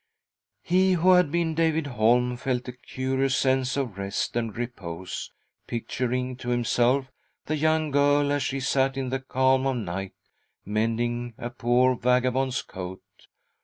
He who had been . David Holm . felt a curious •.» A CALL FROM THE PAST 79 sense of rest and repose, picturing to himself the young girl, as she sat in the calm of night mending a poor vagabond's coat.